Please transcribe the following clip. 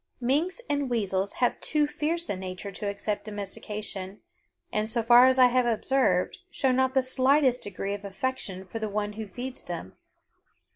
Minks and weasels have too fierce a nature to accept domestication, and, so far as I have observed, show not the slightest degree of affection for the one who feeds them.